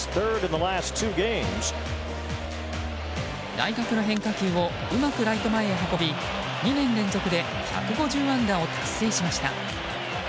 内角の変化球をうまくライト前へ運び２年連続で１５０安打を達成しました。